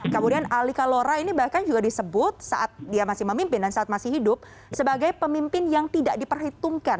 kemudian ali kalora ini bahkan juga disebut saat dia masih memimpin dan saat masih hidup sebagai pemimpin yang tidak diperhitungkan